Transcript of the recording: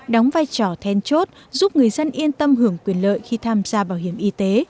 đóng vai trò then chốt giúp người dân yên tâm hưởng quyền lợi khi tham gia bảo hiểm y tế